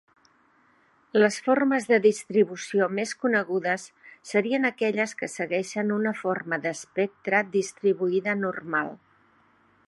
Les formes de distribució més conegudes serien aquelles que segueixen una forma d'espectre distribuïda normal.